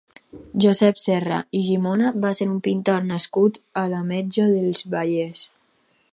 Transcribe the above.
Josep Serra i Llimona va ser un pintor nascut a l'Ametlla del Vallès.